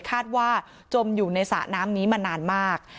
จมอยู่ในสระน้ำนี้มานานมาก